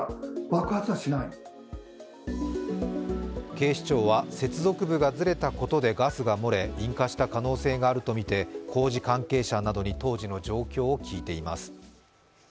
警視庁は接続部がずれたことでガスが漏れ引火した可能性があるとみて工事関係者などに当時の状況を聞いています。